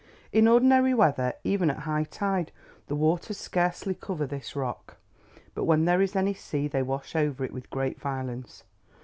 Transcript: In ordinary weather, even at high tide, the waters scarcely cover this rock, but when there is any sea they wash over it with great violence.